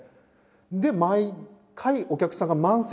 で毎回お客さんが満席。